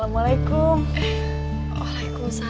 tuh makan ke siap